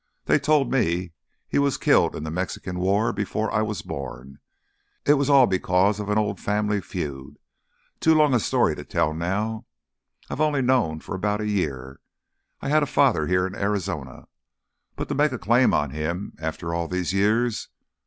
They told me he was killed in the Mexican War before I was born. It was all because of an old family feud—too long a story to tell now. I've only known for about a year I had a father here in Arizona ... but to make a claim on him, after all these years....